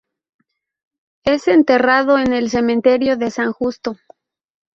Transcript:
Es enterrado en el cementerio de San Justo.